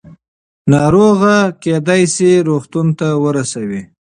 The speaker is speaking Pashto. ناروغي کېدای شي روغتون ته ورسوي.